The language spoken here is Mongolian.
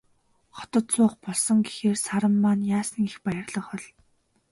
Хотод суух болсон гэхээр Саран маань яасан их баярлах бол.